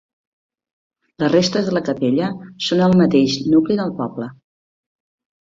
Les restes de la capella són en el mateix nucli del poble.